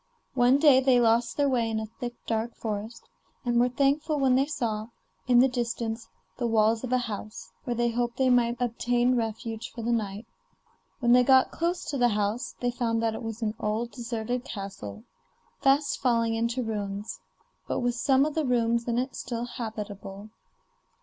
One day they lost their way in a thick, dark forest, and were thankful when they saw, in the distance, the walls of a house, where they hoped they might obtain refuge for the night. When they got close to the house they found that it was an old deserted castle, fast falling into ruins, but with some of the rooms in it still habitable.